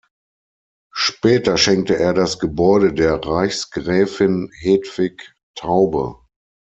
Später schenkte er das Gebäude der Reichsgräfin Hedvig Taube.